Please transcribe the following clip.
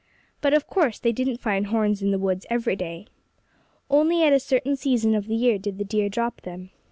But of course they didn't find horns in the woods every day. Only at a certain season of the year did the deer drop them.